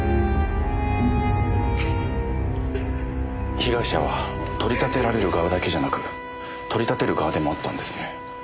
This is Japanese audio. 被害者は取り立てられる側だけじゃなく取り立てる側でもあったんですね。